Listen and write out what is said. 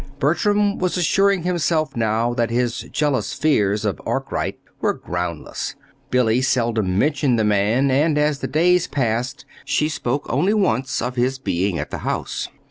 Bertram was assuring himself now that his jealous fears of Arkwright were groundless. Billy seldom mentioned the man, and, as the days passed, she spoke only once of his being at the house.